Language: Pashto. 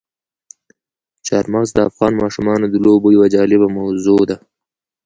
چار مغز د افغان ماشومانو د لوبو یوه جالبه موضوع ده.